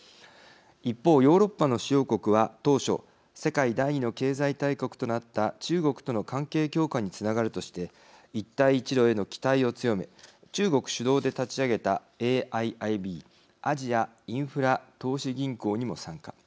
一方、ヨーロッパの主要国は当初世界第２の経済大国となった中国との関係強化につながるとして一帯一路への期待を強め中国主導で立ち上げたＡＩＩＢ＝アジアインフラ投資銀行にも参加。